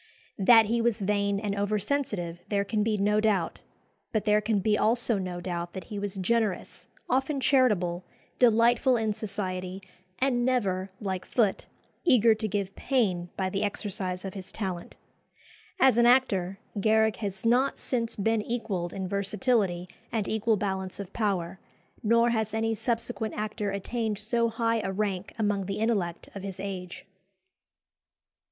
That he was vain and over sensitive there can be no doubt; but there can be also no doubt that he was generous, often charitable, delightful in society, and never, like Foote, eager to give pain by the exercise of his talent. As an actor, Garrick has not since been equalled in versatility and equal balance of power; nor has any subsequent actor attained so high a rank among the intellect of his age.